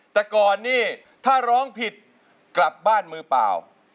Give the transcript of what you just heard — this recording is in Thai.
แต่ก่อนนี่ถ้าร้องผิดกลับบ้านมือเปล่า